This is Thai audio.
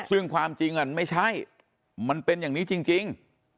ซึ่งความจริงมันไม่ใช่มันเป็นอย่างนี้จริง